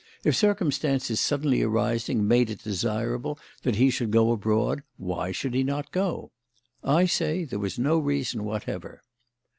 If circumstances suddenly arising made it desirable that he should go abroad, why should he not go? I say there was no reason whatever.